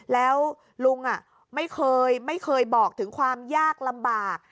แล้วลุงไม่เคยไม่เคยบอกถึงความยากลำบาก